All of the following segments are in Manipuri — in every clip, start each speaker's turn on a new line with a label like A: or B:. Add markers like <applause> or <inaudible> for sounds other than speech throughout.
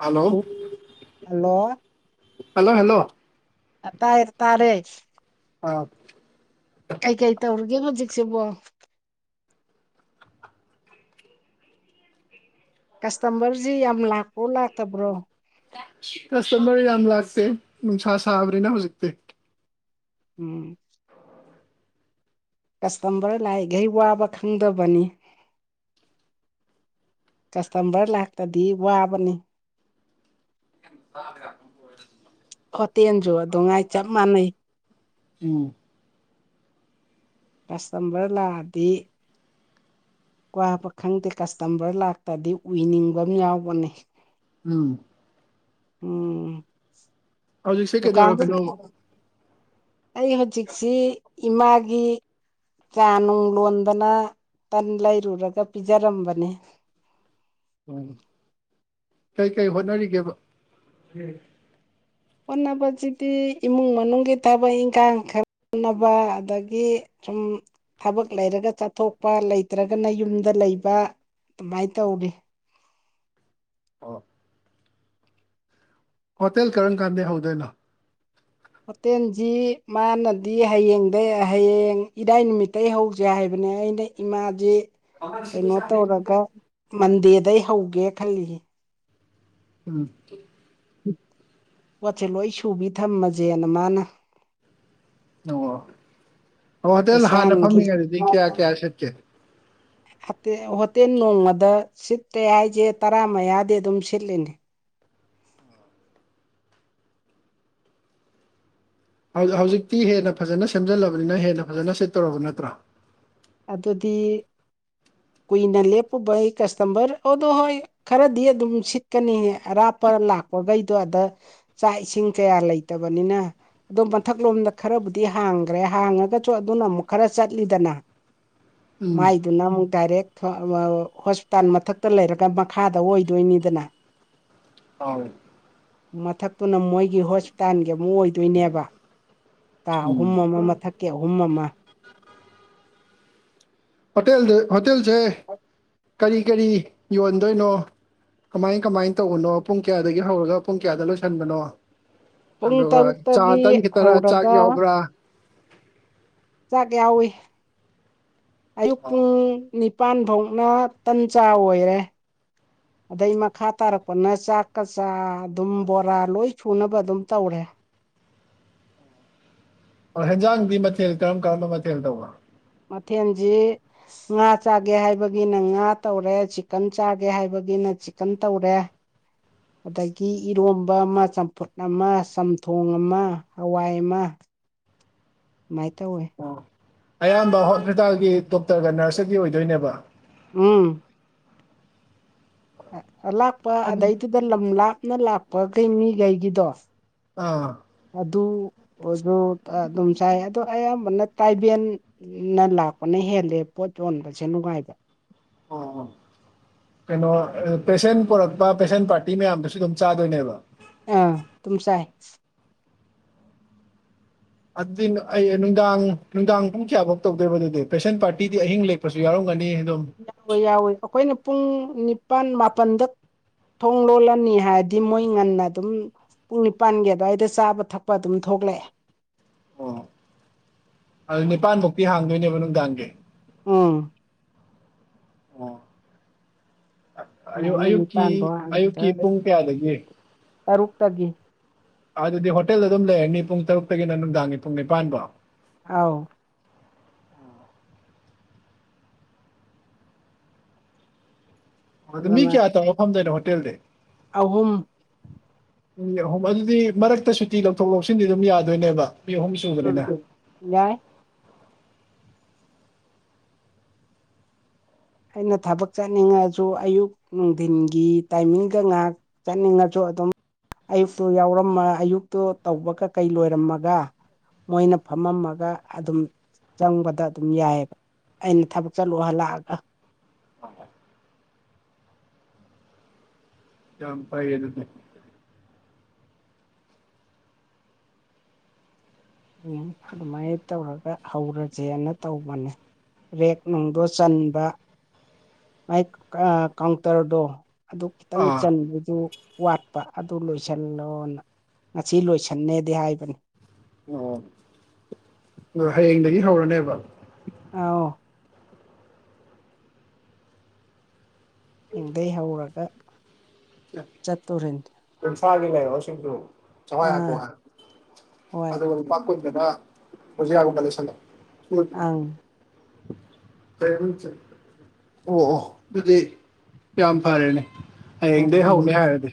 A: ꯍꯜꯂꯣ
B: ꯍꯨꯝ ꯍꯜꯂꯣ
A: ꯍꯜꯂꯣ ꯍꯦꯜꯂꯣ
B: ꯑ ꯇꯥꯏꯌꯦ ꯇꯥꯔꯦ
A: ꯑꯥ
B: ꯀꯩ ꯀꯩ ꯇꯧꯔꯤꯒꯦ ꯍꯧꯖꯤꯛꯁꯤꯕꯣ ꯀꯁꯇꯃꯔꯖꯤ ꯌꯥꯝ ꯂꯥꯛꯄ꯭ꯔꯣ ꯂꯥꯛꯇꯕ꯭ꯔꯣ
A: ꯀꯁꯇꯃꯔ ꯌꯥꯝ ꯂꯥꯛꯇꯦ ꯅꯨꯡꯁꯥ ꯁꯥꯕꯅꯤꯅꯥ ꯍꯧꯖꯤꯛꯇꯤ
B: ꯎꯝ ꯀꯁꯇꯃꯔ ꯂꯥꯛꯏꯈꯩ ꯋꯥꯕ ꯈꯪꯗꯕꯅꯤ ꯀꯁꯇꯃꯔ ꯂꯥꯛꯇꯗꯤ ꯋꯥꯕꯅꯤ
A: <unintelligible>
B: ꯍꯣꯇꯦꯟꯖꯨ ꯑꯗꯨꯉꯥꯏ ꯆꯞ ꯃꯥꯟꯅꯩ
A: ꯎꯝ
B: ꯀꯁꯇꯝꯕꯔ ꯂꯥꯛꯑꯗꯤ ꯋꯥꯕ ꯈꯪꯗꯦ ꯀꯁꯇꯝꯕꯔ ꯂꯥꯛꯇꯗꯤ ꯎꯏꯅꯤꯡꯕꯝ ꯌꯥꯎꯕꯅꯦ
A: ꯎꯝ
B: ꯎꯝ
A: ꯍꯧꯖꯤꯛꯁꯦ
B: ꯗꯨꯀꯥꯟ <inaudible>
A: ꯀꯩꯗꯧꯔꯝꯃꯤꯅꯣꯕ
B: ꯑꯩ ꯍꯧꯖꯤꯛꯁꯤ ꯏꯃꯥꯒꯤ ꯆꯥ ꯅꯨꯡ ꯂꯣꯟꯗꯅ ꯇꯟ ꯂꯩꯔꯨꯔꯒ ꯄꯤꯖꯔꯝꯕꯅꯦ
A: ꯎꯝ ꯀꯩ ꯀꯩ ꯍꯣꯠꯅꯔꯤꯒꯦꯕ
B: ꯍꯣꯠꯅꯕꯆꯤꯗꯤ ꯏꯃꯨꯡ ꯃꯅꯨꯡꯒꯤ ꯊꯕꯛ ꯏꯪꯈꯥꯡ <unintelligible> ꯑꯗꯒꯤ ꯁꯨꯝ ꯊꯕꯛ ꯂꯩꯔꯒ ꯆꯠꯊꯣꯛꯄ ꯂꯩꯇ꯭ꯔꯒꯅ ꯌꯨꯝꯗ ꯂꯩꯕ ꯑꯃꯥꯏ ꯇꯧꯔꯤ
A: ꯑꫭ ꯍꯣꯇꯦꯜ ꯀꯔꯝꯀꯥꯟꯗꯩ ꯍꯧꯗꯣꯏꯅꯣ
B: ꯍꯣꯇꯦꯟꯖꯤ ꯃꯥꯅꯗꯤ ꯍꯌꯦꯡꯗꯩ ꯍꯌꯦꯡ ꯏꯔꯥꯏ ꯅꯨꯃꯤꯠꯇꯩ ꯍꯧꯖꯦ ꯍꯥꯏꯕꯅꯦ ꯑꯩꯅ ꯏꯃꯥꯥꯖꯤ ꯀꯩꯅꯣ ꯇꯧꯔꯒ ꯃꯟꯗꯦꯗꯩ ꯍꯧꯒꯦ ꯈꯜꯂꯤꯌꯦ
A: ꯎꯝ
B: ꯄꫭꯠꯆꯦ ꯂꯣꯏ ꯁꯨꯕꯤ ꯊꯝꯃꯖꯦꯅ ꯃꯥꯅ
A: ꯅꯣ ꯑꯣ ꯍꯣꯇꯦꯜ ꯍꯥꯟꯅ
B: ꯑꯦꯁꯤꯌꯥꯟꯒꯤ
A: ꯐꯝꯃꯤꯉꯩꯗꯗꯤ ꯀꯌꯥ ꯀꯌꯥ ꯁꯤꯠꯀꯦ
B: ꯍꯇꯦ ꯍꯣꯇꯦꯟ ꯅꯣꯡꯃꯗ ꯁꯤꯠꯇꯦ ꯍꯥꯏꯆꯦ ꯇꯔꯥ ꯃꯌꯥꯗꯤ ꯑꯗꯨꯝ ꯁꯤꯠꯂꯤꯅꯤ
A: ꯍꯧ ꯍꯧꯖꯤꯛꯇꯤ ꯍꯦꯟꯅ ꯐꯖꯅ ꯁꯦꯝꯖꯜꯂꯕꯅꯤꯅ ꯍꯦꯟꯅ ꯐꯖꯅ ꯁꯤꯠꯇꯧꯔꯕ ꯅꯠꯇ꯭ꯔ
B: ꯑꯗꯨꯗꯤ ꯀꯨꯏꯅ ꯂꯦꯞꯄꯨꯕꯩ ꯀꯁꯇꯃꯔ ꯑꯣꯗꯣ ꯍꯣꯏ ꯈꯔꯗꯤ ꯑꯗꯨꯝ ꯁꯤꯠꯀꯅꯤ ꯑꯔꯥꯞꯄ ꯂꯥꯛꯄꯒꯩꯗꯣ ꯑꯗꯥ ꯆꯥꯛ ꯏꯁꯤꯡ ꯀꯌꯥ ꯂꯩꯇꯕꯅꯤꯅ ꯑꯗꯣ ꯃꯊꯛꯂꯣꯝꯗ ꯈꯔꯕꯨꯗꯤ ꯍꯥꯡꯒ꯭ꯔꯦ ꯍꯥꯡꯉꯒꯆꯨ ꯑꯗꯨꯅ ꯑꯃꯨꯛ ꯈꯔ ꯆꯠꯂꯤꯗꯅ
A: ꯎꯝ
B: ꯃꯥꯏꯗꯨꯅ ꯑꯃꯨꯛ ꯗꯥꯏꯔꯦꯛ ꯐꯥ ꯑꯥ ꯑꯥ ꯍꯣꯁꯄꯤꯇꯥꯜ ꯃꯊꯛꯇ ꯂꯩꯔꯒ ꯃꯈꯥꯗ ꯑꯣꯏꯗꯣꯏꯅꯤꯗꯅ
A: ꯑꯧ
B: ꯃꯊꯛꯇꯨꯅ ꯃꯣꯏꯒꯤ ꯍꯣꯁꯄꯤꯇꯥꯜꯒꯤ ꯑꯃꯨ ꯑꯣꯏꯗꯣꯏꯅꯦꯕ ꯀꯥ
A: ꯎꯝ
B: ꯑꯍꯨꯝ ꯑꯃꯥ ꯃꯊꯛꯀꯤ ꯑꯍꯨꯝ ꯑꯃꯥ
A: ꯍꯣꯇꯦꯜꯗ ꯍꯣꯇꯦꯜꯆꯦ ꯀꯔꯤ ꯀꯔꯤ ꯌꯣꯟꯗꯣꯏꯅꯣ ꯀꯃꯥꯏ ꯀꯃꯥꯏ ꯇꯧꯕꯅꯣ ꯄꯨꯡ ꯀꯌꯥꯗꯒꯤ ꯍꯧꯔꯒ ꯄꯨꯡ ꯀꯌꯥꯗ ꯂꯣꯏꯁꯟꯕꯅꯣ
B: ꯄꯨꯡ
A: ꯑꯗꯨꯒ ꯆꯥ
B: ꯇꯔꯨꯛꯇꯒꯤ
A: ꯇꯟ ꯈꯤꯇꯔ ꯆꯥꯛ
B: ꯍꯧꯔꯒ
A: ꯌꯥꯎꯕ꯭ꯔꯥ
B: ꯆꯥꯛ ꯌꯥꯎꯋꯤ ꯑꯌꯨꯛ ꯄꯨꯡ
A: ꯑꯣ
B: ꯅꯤꯄꯥꯥꯟ ꯐꯧꯅ ꯇꯟ ꯆꯥꯥ ꯑꯣꯏꯔꯦ ꯑꯗꯩ ꯃꯈꯥ ꯇꯥꯔꯛꯄꯅ ꯆꯥꯛꯀ ꯆꯥ ꯑꯗꯨꯝ ꯕꯣꯔꯥ ꯂꯣꯏ ꯁꯨꯅꯕ ꯑꯗꯨꯝ ꯇꯧꯔꯦ
A: ꯑꯣ ꯍꯦꯟꯖꯥꯡꯗꯤ ꯃꯊꯦꯜ ꯀꯔꯝ ꯀꯔꯝꯕ ꯃꯊꯦꯜ ꯇꯧꯕ
B: ꯃꯊꯦꯟꯖꯤ ꯉꯥ ꯆꯥꯒꯦ ꯍꯥꯏꯕꯒꯤꯅ ꯉꯥ ꯇꯧꯔꯦ ꯆꯤꯛꯀꯟ ꯆꯥꯒꯦ ꯍꯥꯏꯕꯒꯤꯅ ꯆꯤꯛꯀꯟ ꯇꯧꯔꯦ <inaudible> ꯑꯗꯒꯤ ꯏꯔꯣꯝꯕ ꯑꯃꯥ ꯆꯝꯐꯨꯠ ꯑꯃꯥ ꯆꯝꯊꯣꯡ ꯑꯃꯥ ꯍꯋꯥꯏ ꯑꯃꯥ ꯃꯥꯏ ꯇꯧꯋꯦ
A: ꯑꯣ ꯑꯌꯥꯝꯕ ꯍꯣꯁꯄꯤꯇꯥꯜꯒꯤ ꯗꯣꯛꯇꯔꯒ ꯅꯔꯁꯀꯒꯤ ꯑꯣꯏꯗꯣꯏꯅꯦꯕ
B: ꯎꯝ ꯑꯂꯥꯞꯄ
A: ꯑꯗꯨ
B: ꯑꯗꯩꯗꯨꯗ ꯂꯝ ꯂꯥꯞꯅ ꯂꯥꯛꯄ ꯀꯩ ꯃꯤꯒꯩꯒꯤꯗꯣ
A: ꯑꯥ
B: ꯑꯗꯨ ꯑꯣꯏꯖꯨ ꯇꯥ ꯑꯗꯨꯝ ꯆꯥꯏ ꯑꯗꯣ ꯑꯌꯥꯝꯕꯅ ꯇꯥꯏꯕꯦꯟ ꯅꯥ ꯂꯥꯛꯄꯅ ꯍꯦꯜꯂꯦ ꯄꯣꯠ ꯌꯣꯟꯕꯆꯦ ꯅꯨꯡꯉꯥꯏꯕ
A: ꯑꯣ ꯑꯣ ꯀꯩꯅꯣ ꯄꯦꯁꯦꯟ ꯄꯣꯔꯛꯄ ꯄꯦꯁꯦꯟ ꯄꯥꯔꯇꯤ ꯃꯌꯥꯝꯗꯨꯁꯨ ꯑꯗꯨꯝ ꯆꯥꯗꯣꯏꯅꯦꯕ꯫
B: ꯑꯥ ꯇꯨꯝꯆꯥꯏ꯫
A: ꯑꯗꯨꯗꯤ ꯑꯩ ꯅꯨꯡꯗꯥꯡ ꯅꯨꯡꯗꯥꯡ ꯄꯨꯡ ꯀꯌꯥꯐꯧ ꯇꯧꯗꯣꯏꯕ ꯑꯗꯨꯗꯤ ꯄꯦꯁꯦꯟ ꯄꯥꯔꯇꯤꯗꯤ ꯑꯍꯤꯡ ꯂꯦꯛꯄꯁꯨ ꯌꯥꯎꯔꯝꯒꯅꯤ ꯑꯗꯨꯝ꯫
B: ꯌꯥꯎꯋꯦ ꯌꯥꯎꯋꯦ ꯑꯩꯈꯣꯏꯅ ꯄꯨꯡ ꯅꯤꯄꯥꯜ ꯃꯥꯄꯜꯗ ꯊꯣꯡ ꯂꯣꯜꯂꯅꯤ ꯍꯥꯏꯔꯗꯤ ꯃꯣꯏ ꯉꯟꯅ ꯑꯗꯨꯝ, ꯄꯨꯡ ꯅꯤꯄꯥꯟꯒꯤ ꯑꯗꯨꯋꯥꯏꯗ ꯆꯥꯕ ꯊꯛꯄ ꯑꯗꯨꯝ ꯊꯣꯛꯂꯛꯑꯦ꯫
A: ꯑꯣ ꯑꯗꯨ ꯅꯤꯄꯥꯟꯃꯨꯛꯇꯤ ꯍꯥꯡꯗꯣꯏꯅꯦꯕ ꯅꯨꯡꯗꯥꯡꯒꯤ꯫
B: ꯎꯝ
A: ꯑꯌꯨꯛ
B: ꯁꯨꯃꯥꯏꯅ
A: ꯑꯌꯨꯛꯀꯤ
B: ꯅꯤꯄꯥꯟ ꯐꯥꯎ
A: ꯑꯌꯨꯛꯀꯤ
B: ꯍꯥꯡꯗꯣꯏꯅꯤ
A: ꯄꯨꯡ ꯀꯌꯥꯗꯒꯤ
B: ꯇꯔꯨꯛꯇꯒꯤ꯫
A: ꯑꯗꯨꯗꯤ ꯍꯣꯇꯦꯜ ꯑꯗꯨꯝ ꯂꯩꯔꯅꯤ ꯄꯨꯡ ꯇꯔꯨꯛꯇꯒꯤꯅ ꯅꯨꯡꯗꯥꯡꯒꯤ ꯄꯨꯡ ꯅꯤꯄꯥꯟꯕꯧ?
B: ꯑꯥꯎ
A: ꯑꯗꯨ ꯃꯤ
B: ꯑꯗꯨꯅ
A: ꯀꯌꯥ ꯇꯧ ꯐꯝꯗꯣꯏꯅꯣ ꯍꯣꯇꯦꯜꯗꯤ?
B: ꯑꯍꯨꯝ꯫
A: ꯃꯤ ꯑꯍꯨꯝ ꯑꯗꯨꯗꯤ ꯃꯔꯛꯇ ꯁꯨꯇꯤ ꯂꯧꯊꯣꯛ ꯂꯧꯁꯤꯟꯗꯤ ꯑꯗꯨꯝ ꯌꯥꯗꯣꯏꯅꯦꯕ ꯃꯤ ꯑꯍꯨꯝ
B: ꯎꯝ
A: ꯁꯨꯕꯅꯤꯅ
B: ꯌꯥꯏ꯫ ꯑꯩꯅ ꯊꯕꯛ ꯆꯠꯅꯤꯡꯉꯁꯨ ꯑꯌꯨꯛ ꯅꯨꯡꯊꯤꯟꯒꯤ ꯇꯥꯏꯃꯤꯡꯒ ꯉꯥꯏꯍꯥꯛ ꯆꯅꯤꯡꯉꯆꯖꯨ ꯑꯗꯨꯝ, ꯑꯌꯨꯛꯇꯨ ꯌꯥꯎꯔꯝꯃ ꯑꯌꯨꯛꯇꯨ ꯇꯧꯕ ꯀꯩ-ꯀꯩ ꯂꯣꯏꯔꯝꯃꯒ꯫ ꯃꯣꯏꯅ ꯐꯝꯃꯝꯃꯒ ꯑꯗꯨꯝ ꯆꯪꯕꯗ ꯑꯗꯨꯝ ꯌꯥꯏꯌꯦꯕ꯫ ꯑꯩꯅ ꯊꯕꯛ ꯆꯠꯂꯣ ꯍꯜꯂꯥꯛꯑꯒ꯫
A: ꯌꯥꯝ ꯐꯩ ꯑꯗꯨꯗꯤ꯫
B: ꯑꯝ ꯑꯗꯨꯃꯥꯏꯅ ꯇꯧꯔꯒ ꯍꯧꯔꯁꯦꯅ ꯇꯧꯕꯅꯦ꯫ ꯔꯦꯛ ꯅꯨꯡꯗꯣ ꯆꯟꯕ ꯃꯥꯏ ꯑꯥ ꯀꯥꯎꯟꯇꯔꯗꯣ꯫ ꯑꯗꯨ ꯈꯤꯇꯪ
A: ꯑꯥ
B: ꯆꯟꯕꯗꯨ, ꯋꯥꯠꯄ ꯑꯗꯨ ꯂꯣꯏꯁꯤꯜꯂꯣꯅ ꯉꯁꯤ ꯂꯣꯏꯁꯤꯟꯅꯦꯗꯤ ꯍꯥꯏꯕꯅꯤ꯫
A: ꯑꯣ ꯑꯥ ꯍꯌꯦꯡꯗꯒꯤ ꯍꯧꯔꯅꯦꯕ꯫
B: ꯑꯥꯎ ꯍꯌꯦꯡꯗꯩ ꯍꯧꯔꯒ ꯆꯠꯇꯣꯔꯤꯅꯤ꯫
A: ꯏꯝꯐꯥꯜꯒꯤ ꯂꯩꯑꯣꯁꯤꯡꯗꯨ ꯆꯋꯥꯏ
B: ꯑꯥ
A: ꯍꯥꯥꯞꯄꯣ ꯍꯥꯏ
B: ꯍꯣꯏ
A: ꯑꯗꯨꯒ ꯂꯨꯄꯥ ꯀꯨꯟꯒꯗ ꯕꯨꯖꯤꯌꯥ ꯒꯨꯝꯕ ꯂꯩꯁꯜꯂꯣ꯫
B: ꯑꯪ
A: ꯑꯣ ꯑꯣ ꯑꯗꯨꯗꯤ ꯌꯥꯝ ꯐꯔꯦꯅꯦ꯫ ꯍꯌꯦꯡꯗꯩ ꯍꯧꯅꯤ
B: ꯎꯝ
A: ꯍꯥꯏꯔꯗꯤ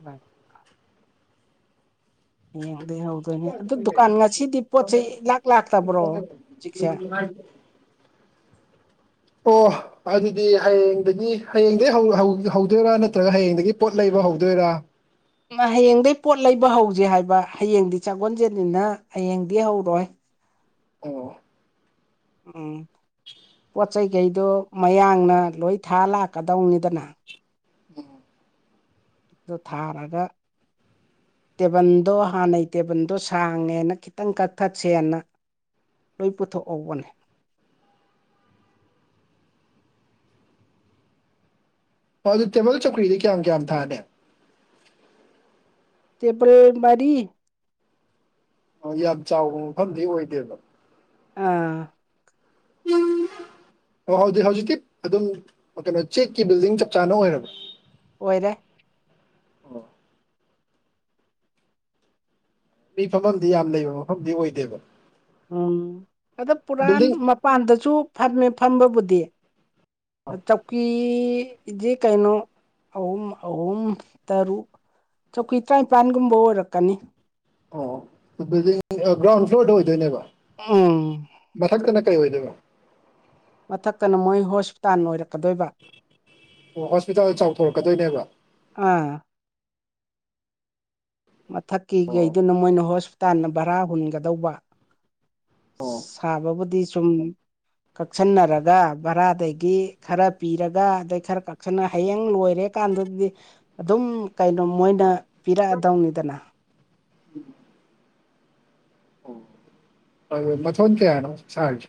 B: ꯎꯝ ꯌꯦꯡꯗꯩ ꯍꯧꯗꯣꯏꯅꯦ꯫ ꯑꯗꯨ ꯗꯨꯀꯥꯟ ꯉꯁꯤꯗꯤ ꯄꯣꯠ ꯆꯩ ꯂꯥꯛ ꯂꯥꯛꯇꯕ꯭ꯔꯣ ꯍꯧꯖꯤꯛꯁꯦ?
A: <unintelligible> ꯑꯣ ꯑꯗꯨꯗꯤ ꯍꯌꯦꯡꯗꯒꯤ ꯍꯌꯦꯡꯗꯒꯤ ꯍꯧꯗꯣꯏꯔꯥ, ꯅꯠꯇ꯭ꯔꯒ ꯍꯌꯦꯡꯗꯒꯤ ꯄꯣꯠ ꯂꯩꯕ ꯍꯧꯗꯣꯏꯔꯥ?
B: ꯍꯌꯦꯡꯗꯩ ꯄꯣꯠ ꯂꯩꯕ ꯍꯧꯖꯦ ꯍꯥꯏꯕ ꯍꯌꯦꯡꯗꯤ ꯆꯥꯒꯣꯟꯁꯦꯟꯅꯤꯅ ꯍꯌꯦꯡꯗꯤ ꯍꯧꯔꯣꯏ꯫
A: ꯑꯣ
B: ꯎꯝ ꯄꯣꯠꯆꯩ ꯈꯩꯗꯣ ꯃꯌꯥꯡꯅ ꯂꯣꯏ ꯊꯥ ꯂꯥꯛꯀꯗꯧꯅꯤꯗꯅ꯫
A: ꯎꯝ
B: ꯑꯗꯨ ꯊꯥꯔꯒ, ꯇꯦꯕꯟꯗꯣ ꯍꯥꯟꯅꯩ ꯇꯦꯕꯟꯗꯣ ꯁꯥꯡꯉꯦꯅ ꯈꯤꯇꯪ ꯀꯛꯊꯠꯁꯦꯅ, ꯂꯣꯏ ꯄꯨꯊꯣꯛꯍꯧꯕꯅꯦ꯫
A: ꯍꫭ ꯑꯗꯨ ꯇꯦꯕꯜ ꯆꯧꯀ꯭ꯔꯤꯗꯤ ꯀꯌꯥꯝ-ꯀꯌꯥꯝ ꯊꯥꯅꯤ꯫
B: ꯇꯦꯕꯜ ꯃꯔꯤ꯫
A: ꯑꫭ ꯌꯥꯝ ꯆꯥꯎꯕ ꯃꯐꯝꯗꯤ ꯑꯣꯏꯗꯦꯕ꯫
B: ꯑꯥ꯫
A: <unintelligible> ꯑꯣ ꯍꯧꯗꯤ ꯍꯧꯖꯤꯛꯇꯤ ꯑꯗꯨꯝ ꯀꯩꯅꯣ ꯆꯦꯛꯀꯤ ꯕꯤꯜꯗꯤꯡ ꯆꯞ ꯆꯥꯅ ꯑꯣꯏꯔꯕ꯫
B: ꯑꯣꯏꯔꯦ꯫
A: ꯑꯣ ꯃꯤ ꯐꯝꯐꯝꯗꯤ ꯌꯥꯝ ꯂꯩꯕ ꯃꯐꯝꯗꯤ ꯑꯣꯏꯗꯦꯕ꯫
B: ꯎꯝ ꯑꯗ ꯄꯨꯔꯥꯟ
A: ꯕꯤꯜꯗꯤꯡ
B: ꯃꯄꯥꯟꯗꯁꯨ ꯐꯝꯃꯦ ꯐꯝꯕꯕꯨꯗꯤ꯫ ꯑ ꯆꯧꯀꯤ ꯏꯖꯦ ꯀꯩꯅꯣ ꯑꯍꯨꯝ ꯑꯍꯨꯝ ꯇꯔꯨꯛ꯫ ꯆꯧꯀꯤ ꯇꯔꯥꯅꯤꯄꯥꯟꯒꯨꯝꯕ ꯑꯣꯏꯔꯛꯀꯅꯤ꯫
A: ꯑꯣ ꯕꯤꯜꯗꯤꯡ ꯒ꯭ꯔꯥꯎꯟ ꯐ꯭ꯂꯣꯔꯗ ꯑꯣꯏꯗꯣꯏꯅꯦꯕ꯫
B: ꯎ
A: ꯃꯊꯛꯇꯅ ꯀꯩ ꯑꯣꯏꯗꯣꯏꯕ꯫
B: ꯃꯊꯛꯀꯅ ꯃꯣꯏ ꯍꯣꯁꯄꯤꯇꯥꯟ ꯑꯣꯏꯔꯛ
A: ꯑꯣ ꯍꯣꯁꯄꯤꯇꯥꯜ ꯆꯥꯎꯊꯣꯔꯛꯀꯗꯣꯏꯅꯦꯕ꯫
B: ꯑꯥ꯫ ꯃꯊꯛꯀꯤ
A: ꯑꯣ
B: ꯒꯩꯗꯨꯅ ꯃꯣꯏꯅ ꯍꯣꯁꯄꯤꯇꯥꯟꯅ ꯚꯔꯥ ꯍꯨꯟꯒꯗꯧꯕ꯫
A: ꯑꯣ
B: ꯁꯥꯕꯕꯨꯗꯤ ꯁꯨꯝ ꯀꯛꯁꯟꯅꯔꯒ ꯚꯔꯥꯗꯒꯤ ꯈꯔ ꯄꯤꯔꯒ ꯑꯗꯩ ꯈꯔ ꯀꯛꯁꯟꯅ ꯍꯌꯦꯡ ꯂꯣꯏꯔꯦ꯫ ꯀꯥꯟꯗꯗꯤ ꯑꯗꯨꯝ ꯀꯩꯅꯣ ꯃꯣꯏꯅ ꯄꯤꯔꯛꯑꯗꯧꯅꯤꯗꯅ꯫
A: ꯑꫭꯏ ꯃꯊꫭꯟ ꯀꯌꯥꯅꫭ ꯁꯥꯔꯤꯁꯦ꯫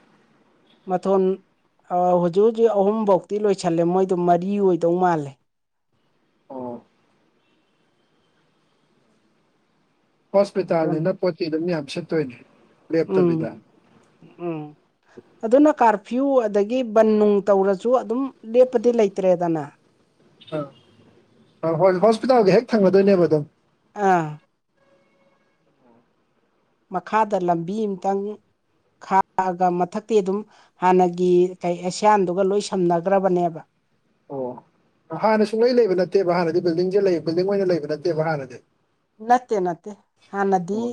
B: ꯃꯊꯣꯟ ꯑ ꯍꯧꯖꯤꯛ-ꯍꯧꯖꯤꯛ ꯑꯍꯨꯝꯐꯧꯇꯤ ꯂꯣꯏꯁꯜꯂꯦ ꯃꯣꯏꯗꯣ ꯃꯔꯤ ꯑꯣꯏꯗꯧ ꯃꯥꯜꯂꯦ꯫
A: ꯑꯣ
B: ꯃꯊꯣꯟ
A: ꯍꯣꯁꯄꯤꯇꯥꯜꯅꯤꯅ ꯄꯣꯠ ꯆꯩ ꯑꯗꯨꯝ ꯌꯥꯝ ꯁꯤꯠꯇꯣꯏꯅꯦ
B: ꯎꯝ
A: ꯂꯦꯞꯇꯕꯤꯗ꯫
B: ꯎꯝ ꯑꯗꯨꯅ ꯀꯥꯔꯐ꯭ꯤꯌꯨ ꯑꯗꯒꯤ ꯕꯟ ꯅꯨꯡ ꯇꯧꯔꯁꯨ ꯑꯗꯨꯝ ꯂꯦꯞꯄꯗꯤ ꯂꯩꯇ꯭ꯔꯦꯗꯅ꯫
A: ꯑꯥ ꯑ ꯍꯣꯏ ꯍꯣꯁꯄꯤꯇꯥꯜꯒꯤ ꯍꯦꯛ ꯊꯪꯒꯗꯣꯏꯅꯦꯕ ꯑꯗꯨꯝ꯫
B: ꯑꯥ꯫ ꯃꯈꯥꯗ ꯂꯝꯕꯤ ꯑꯃꯇꯪ ꯈꯥꯛꯑꯒ ꯃꯊꯛꯇꯤ ꯑꯗꯨꯝ ꯍꯥꯟꯅꯒꯤ ꯀꯩ ꯑꯦꯁꯤꯌꯥꯟꯗꯨꯒ ꯂꯣꯏ ꯁꯝꯅꯈ꯭ꯔꯕꯅꯦꯕ꯫
A: ꯑꯣ ꯍꯥꯟꯅ ꯁꯨꯡꯂꯩ ꯂꯩꯕ ꯅꯠꯇꯦꯕ ꯍꯥꯟꯅꯗꯤ ꯕꯤꯜꯗꯤꯡꯁꯦ ꯂꯩ ꯕꯤꯜꯗꯤꯡ ꯑꯣꯏꯅ ꯂꯩꯕ ꯅꯠꯇꯦꯕ ꯍꯥꯟꯅꯗꯤ꯫
B: ꯅꯠꯇꯦ-ꯅꯠꯇꯦ ꯍꯥꯟꯅꯗꯤ
A: ꯑꯣ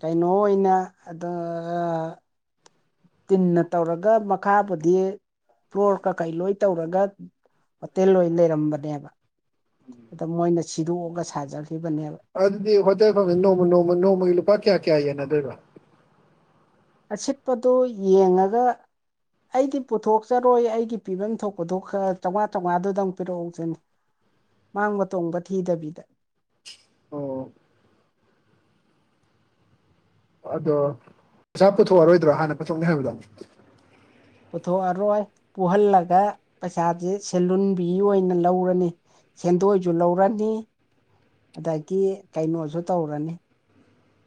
B: ꯀꯩꯅꯣ ꯑꯣꯏꯅ ꯑꯗꫭ ꯑ ꯇꯤꯟꯅ ꯇꯧꯔꯒ ꯃꯈꯥꯕꯨꯗꯤ ꯐ꯭ꯂꯣꯔ ꯀꯀꯩ ꯂꯣꯏ ꯇꯧꯔꯒ ꯍꯣꯇꯦꯜ ꯑꯣꯏꯅ ꯂꯩꯔꯝꯕꯅꯦꯕ ꯑꯗ ꯃꯣꯏꯅ ꯁꯤꯗꯣꯛꯑꯒ ꯁꯥꯖꯈꯤꯕꯅꯦꯕ꯫
A: ꯑꯗꯨꯗꯤ ꯍꯣꯇꯦꯜ ꯐꯪꯅꯤ ꯅꯣꯡꯃ ꯅꯣꯡꯃ ꯅꯣꯡꯃꯒꯤ ꯂꯨꯄꯥ ꯀꯌꯥ-ꯀꯌꯥ ꯌꯦꯟꯅꯗꯣꯏꯅꫭ꯫
B: ꯑꯁꯤꯠꯄꯗꯨ ꯌꯦꯡꯉꯒ꯫ ꯑꯩꯗꯤ ꯄꯨꯊꯣꯛꯆꯔꯣꯏ ꯑꯩꯒꯤ ꯄꯤꯐꯝ ꯊꯣꯛꯄꯗꯣ ꯈꯔ ꯆꯧꯉꯥ ꯆꯧꯉꯥꯗꯨꯗꯪ ꯄꯤꯔꯛꯎꯗꯅꯤ꯫ ꯃꯥꯡꯕ ꯇꯣꯡꯕ ꯊꯤꯗꯕꯤꯗ꯫
A: ꯑꯣ ꯑꯗꯣ ꯄꯩꯁꯥ ꯄꯨꯊꯣꯛꯑꯔꯣꯏꯗ꯭ꯔꯣ ꯍꯥꯟꯅ ꯄꯨꯊꯣꯛꯅꯤ ꯍꯥꯏꯕꯗꯣ꯫
B: ꯄꯨꯊꯣꯛꯑꯔꯣꯏ ꯄꯨꯍꯜꯂꯒ ꯄꯩꯁꯥꯁꯦ ꯁꯦꯜ ꯂꯨꯟꯕꯤ ꯑꯣꯏꯅ ꯂꯧꯔꯅꯤ꯫ ꯁꯦꯟꯗꯣꯏꯁꯨ ꯂꯧꯔꯅꯤ꯫ ꯑꯗꯒꯤ ꯀꯩꯅꯣꯖꯨ ꯇꯧꯔꯅꯤ꯫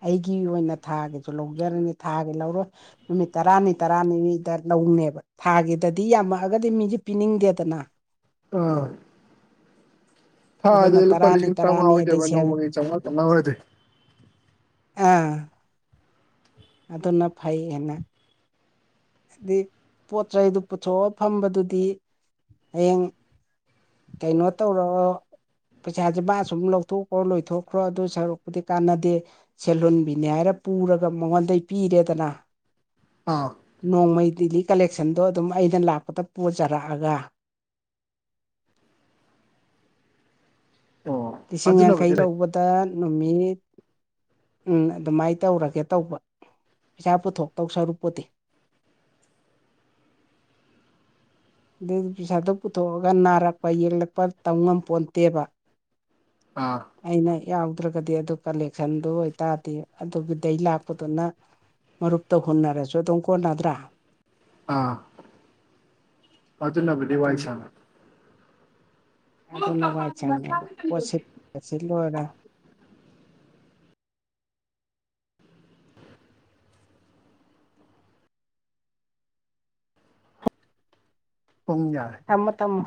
B: ꯑꯩꯒꯤ ꯑꯣꯏꯅ ꯊꯥꯒꯤꯖꯨ ꯂꯧꯖꯔꯅꯤ ꯊꯥꯒꯤ ꯂꯧꯔꯣꯏ꯫ ꯅꯨꯃꯤꯠ ꯇꯔꯥꯅꯤ ꯇꯔꯥꯅꯤꯃꯤꯗ ꯂꯧꯅꯦꯕ꯫ ꯊꯥꯒꯤꯗꯗꯤ ꯌꯥꯝꯃꯛꯑꯒꯗꯤ ꯃꯤꯖꯦ ꯄꯤꯅꯤꯡꯗꯦꯗꯅ꯫
A: ꯑꯥ
B: ꯑꯗꯨꯅ
A: ꯊꯥꯗꯗꯤ ꯂꯨꯄꯥ
B: ꯇꯔꯥꯅꯤ
A: ꯂꯤꯁꯤꯡ ꯇꯔꯥꯎꯉꯥ
B: ꯇꯔꯥꯅꯤ ꯑꯗꯩ
A: ꯑꯣꯏꯗꯕ
B: ꯁꯦꯟ
A: ꯅꯣꯡꯃꯒꯤ ꯆꯝꯉꯥ ꯆꯝꯉꯥ ꯑꯣꯏꯔꯗꯤ
B: ꯑꯥ ꯑꯗꯨꯅ ꯐꯩꯌꯦꯅꯦ ꯍꯥꯏꯗꯤ ꯄꯣꯠ ꯆꯩꯩꯗꯨ ꯄꯨꯊꯣꯛꯑ ꯐꯝꯕꯗꯨꯗꯤ ꯍꯌꯦꯡ ꯀꯩꯅꯣ ꯇꯧꯔꯛꯑꯣ ꯄꯩꯁꯥꯖꯦ ꯃꯥ ꯁꯨꯝ ꯂꯧꯊꯣꯛꯈ꯭ꯔꯣ ꯂꯣꯏꯊꯣꯛꯈ꯭ꯔꯣ ꯑꯗꯨ ꯁꯔꯨꯛꯄꯨꯗꯤ ꯀꯥꯟꯅꯗꯦ ꯁꯦꯜ ꯍꯨꯟꯕꯤꯅꯤ ꯍꯥꯏꯔ ꯄꯨꯔꯒ ꯃꯉꯣꯟꯗꯩ ꯄꯤꯔꯦꯗꯅ
A: ꯑꯥ
B: ꯅꯣꯡꯃꯩ ꯗꯤꯜꯂꯤ ꯀꯂꯦꯛꯁꯟꯗꯣ ꯑꯗꯨꯝ ꯑꯩꯅ ꯂꯥꯛꯄꯗ ꯄꯨꯖꯔꯛꯑꯒ
A: ꯑꯣ
B: ꯂꯤꯁꯤꯡ ꯌꯥꯡꯈꯩ
A: ꯑꯗꯨꯅꯕꯨꯗꯤ ꯂꯩ
B: ꯂꯧꯕꯗ ꯅꯨꯃꯤꯠ ꯎꯝ ꯑꯗꯨꯃꯥꯏ ꯇꯧꯔꯒꯦ ꯇꯧꯕ ꯄꯩꯁꯥ ꯄꯨꯊꯣꯛꯇꯧ ꯁꯔꯨꯛꯄꯨꯗꯤ ꯑꯗꯨꯏ ꯄꯩꯁꯥꯗꯣ ꯄꯨꯊꯣꯛꯑꯒ ꯅꯥꯔꯛꯄ ꯌꯦꯛꯂꯛꯄ ꯇꯝ ꯉꯝꯄꯣꯟꯇꯦꯕ
A: ꯑꯥ
B: ꯑꯩꯅ ꯌꯥꯎꯗ꯭ꯔꯒꯗꯤ ꯑꯗꯨ ꯀꯂꯦꯛꯁꯟꯗꯨ ꯑꯣꯏꯇꯥꯗꯤ ꯑꯗꯨꯒꯤꯗꯩ ꯂꯥꯛꯄꯗꯨꯅ ꯃꯔꯨꯞꯇ ꯍꯨꯟꯅꯔꯁꯨ ꯑꯗꯨꯝ ꯀꯣꯟꯅꯗ꯭ꯔꯥ
A: ꯑꯥ ꯑꯗꯨꯅꯕꯨꯗꯤ ꯋꯥꯏ
B: ꯑꯗꯨꯅ
A: ꯁꯪꯉꯤ
B: ꯑꯗꯨꯅ ꯋꯥꯏ ꯁꯪꯉꯦꯕ ꯄꯣꯠ ꯁꯤꯠ ꯀ ꯁꯤꯠꯂꯣꯏꯔ
A: ꯄꯨꯡ ꯌꯥ
B: ꯊꯝꯃꯣ ꯊꯝꯃꯣ